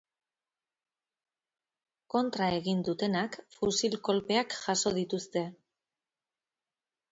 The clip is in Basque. Kontra egin dutenak fusil kolpeak jaso dituzte.